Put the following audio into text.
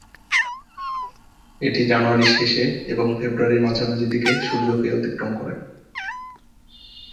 এটি জানুয়ারি শেষে এবং ফেব্রুয়ারির মাঝামাঝি দিকে সূর্যকে অতিক্রম করে।